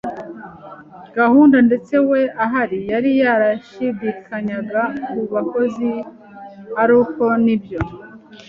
gahunda. Ndetse we, ahari, yari yarashidikanyaga ku bakozi, ariko nibyo